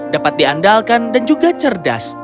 dapat diandalkan dan juga cerdas